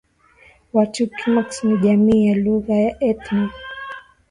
WaTyumrks ni jamii ya lugha ya ethno